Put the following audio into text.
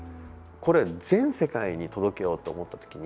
これ、全世界に届けようと思った時に